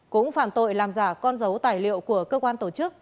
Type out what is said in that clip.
cũng phạm tội làm giả con dấu tài liệu của cơ quan tổ chức